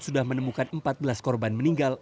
sudah menemukan empat belas korban meninggal